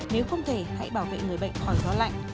nếu không thể hãy bảo vệ người bệnh khỏi gió lạnh